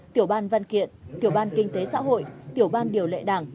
tiểu ban văn kiện tiểu ban kinh tế xã hội tiểu ban điều lệ đảng